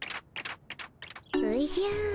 おじゃ！